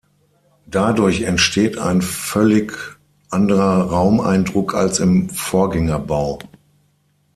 Dadurch entsteht ein völlig anderer Raumeindruck als im Vorgängerbau.